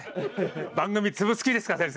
番組潰す気ですか先生。